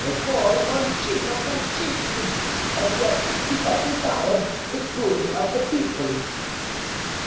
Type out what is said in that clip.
Poor Concino Concini! And yet he but desired the good of the people."